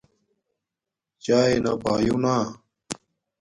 چاݵے نا پایونا